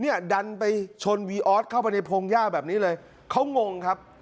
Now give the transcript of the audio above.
นี่ดันไปชนวีอาร์ซเข้าไปในพร้งย่าแบบนี้เลยเขางงครับ